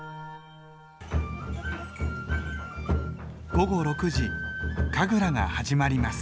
午後６時神楽が始まります。